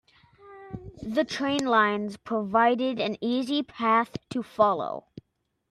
The train lines provided an easy path to follow.